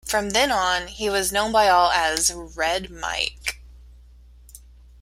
From then on he was known by all as "Red Mike".